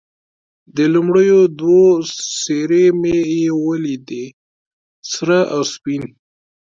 د لومړیو دوو څېرې مې یې ولیدې، سره او سپین.